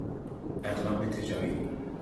اقلام تجاری